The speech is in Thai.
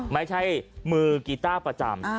ไม่ใช่มือกีต้าประจำ